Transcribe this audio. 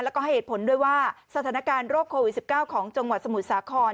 แล้วก็เหตุผลด้วยว่าสถานการณ์โรคโควิด๑๙ของจังหวัดสมุทรสาคร